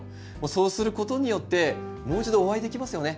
そうすることによってもう一度お会いできますよね。